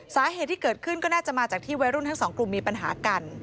สาเหตุที่เกิดขึ้นก็น่าจะมาจากที่วัยรุ่นทั้งสองกลุ่มมีปัญหากัน